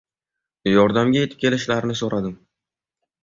Yordamga yetib kelishlarini soʻradim.